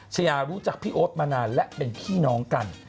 ชายารู้จักพี่โอ๊ตมานานและเป็นพี่น้องกัน